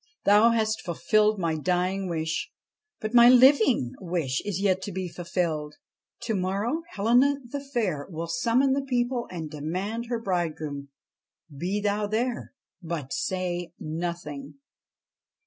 ' Thou hast fulfilled my dying wish, but my living wish is yet to be fulfilled. To morrow Helena the Fair will summon the people and demand her bridegroom. Be thou there, but say nothing.'